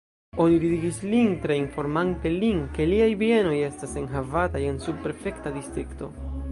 Oni ridigis lin tre, informante lin, ke liaj bienoj estas enhavataj en subprefekta distrikto.